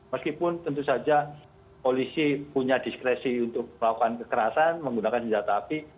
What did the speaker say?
meskipun tentu saja polisi punya diskresi untuk melakukan kekerasan menggunakan senjata api